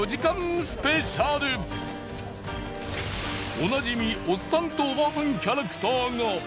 おなじみおっさんとおばはんキャラクターが。